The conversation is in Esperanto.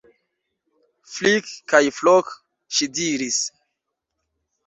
Flik kaj Flok, ŝi diris.